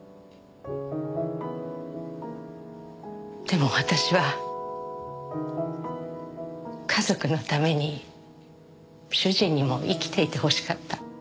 でも私は家族のために主人にも生きていてほしかった。